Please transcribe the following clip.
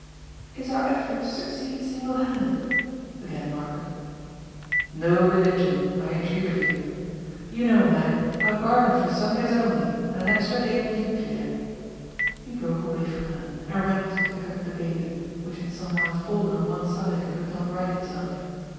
^' Is our effort to succeed single handed ?^ began Mar garet. "No religion, I entreat of you I You know, Mag, I bargained for Sundays only, and an extra day in Leap Year !" He broke away from her and ran to pick up the baby, which had somehow fallen on one side and could not right itself.